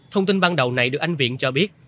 thông tin ban đầu này được anh viện cho biết